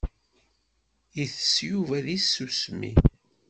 Itess Yuba deg tsusmi.